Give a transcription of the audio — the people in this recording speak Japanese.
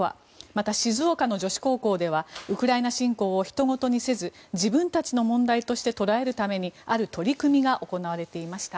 また、静岡の女子高校ではウクライナ侵攻をひと事にせず自分たちの問題として捉えるために、ある取り組みが行われていました。